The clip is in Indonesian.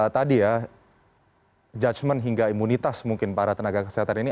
tadi ya judgement hingga imunitas mungkin para tenaga kesehatan ini